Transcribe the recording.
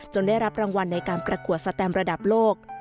ได้รับรางวัลในการประกวดสแตมระดับโลก